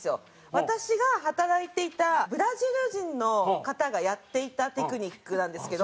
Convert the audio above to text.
私が働いていたブラジル人の方がやっていたテクニックなんですけど。